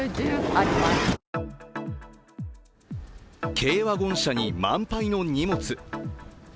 軽ワゴン車に満杯の荷物。